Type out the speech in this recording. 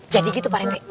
jadi gitu pak rete